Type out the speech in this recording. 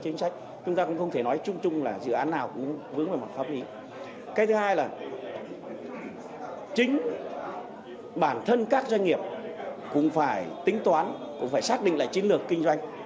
nhưng bản thân các doanh nghiệp cũng phải tính toán cũng phải xác định lại chiến lược kinh doanh